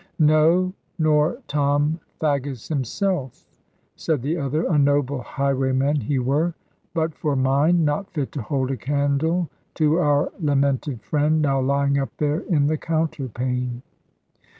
"No, nor Tom Faggus himself," said the other: "a noble highwayman he were; but for mind, not fit to hold a candle to our lamented friend now lying up there in the counterpane."